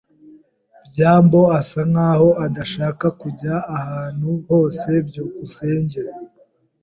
byambo asa nkaho adashaka kujya ahantu hose. byukusenge